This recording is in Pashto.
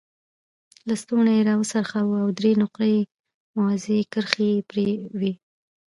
لستوڼی یې را وڅرخاوه او درې نقره یي موازي کرښې یې پرې وې.